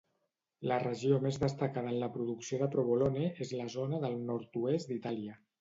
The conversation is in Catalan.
La regió més destacada en la producció de provolone és la zona del nord-oest d'Itàlia.